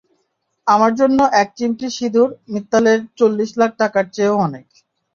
আমার জন্য এক চিমটি সিদুর, মিত্তালের চল্লিশ লাখ টাকার চেয়েও অনেক।